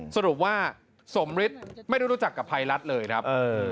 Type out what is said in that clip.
สรุปว่าสมฤทธิ์ไม่ได้รู้จักกับภัยรัฐเลยครับ